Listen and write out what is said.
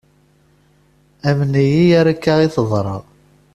Amen-iyi ar akka i teḍra.